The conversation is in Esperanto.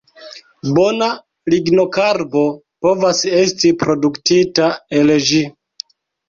Bona lignokarbo povas esti produktita el ĝi.